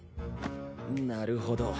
なるほど。